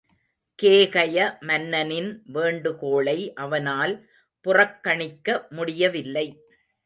கேகய மன்னனின் வேண்டுகோளை அவனால் புறக்கணிக்க முடியவில்லை.